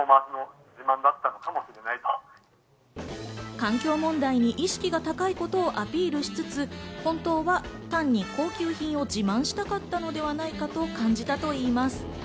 環境問題に意識が高いことをアピールしつつ、本当は単に高級品を自慢したかったのではないかと感じたといいます。